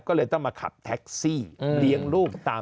ก็เลยต้องมาขับแท็กซี่เลี้ยงลูกตาม